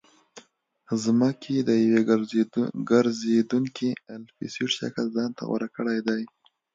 ځمکې د یو ګرځېدونکي الپسویډ شکل ځان ته غوره کړی دی